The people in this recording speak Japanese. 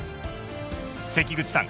関口さん